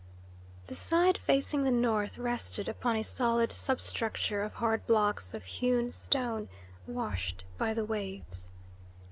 The side facing the north rested upon a solid substructure of hard blocks of hewn stone washed by the waves.